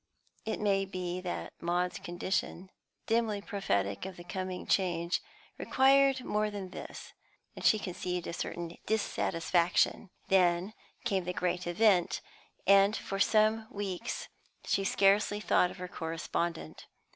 It may be that Maud's condition, dimly prophetic of the coming change, required more than this, and she conceived a certain dissatisfaction. Then came the great event, and for some weeks she scarcely thought of her correspondent.